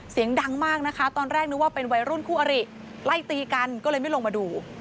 เสียงดังมากนะคะตอนแรกนึกว่าเป็นวัยรุ่นคู่อริไล่ตีกันก็เลยไม่ลงมาดู